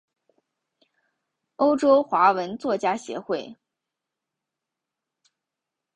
欧洲华文作家协会。